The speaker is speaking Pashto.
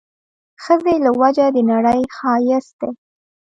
ښځې له وجه د نړۍ ښايست دی